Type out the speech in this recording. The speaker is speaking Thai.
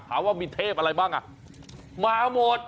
ว่ามีเทพอะไรบ้างอ่ะมาหมด